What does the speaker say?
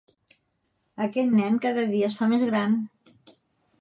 Aquest nen cada dia es fa més gran.